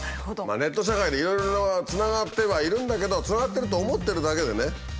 ネット社会でいろいろつながってはいるんだけどつながってると思ってるだけでね